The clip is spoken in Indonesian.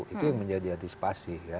itu yang menjadi antisipasi